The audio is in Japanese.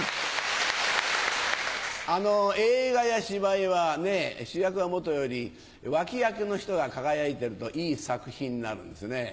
映画や芝居はね主役はもとより脇役の人が輝いてるといい作品になるんですね。